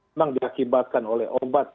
memang diakibatkan oleh obat